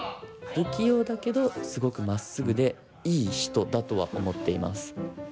不器用だけどすごくまっすぐでいい人だとは思っています。